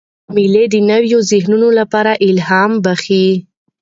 مېلې د نوو ذهنونو له پاره الهام بخښي.